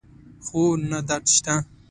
خو نه درد شته